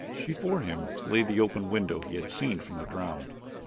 Before him lay the open window he had seen from the ground.